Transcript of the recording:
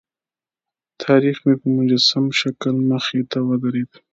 تاریخ مې په مجسم شکل مخې ته ودرېد.